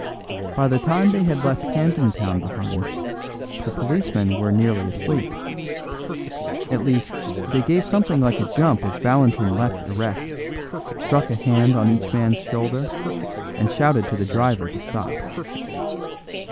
By the time they had left Camden Town behind, the policemen were nearly asleep; at least, they gave something like a jump as Valentin leapt erect, struck a hand on each man's shoulder, and shouted to the driver to stop.